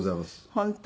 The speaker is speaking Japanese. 本当。